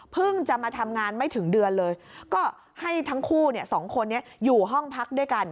จะมาทำงานไม่ถึงเดือนเลยก็ให้ทั้งคู่สองคนนี้อยู่ห้องพักด้วยกัน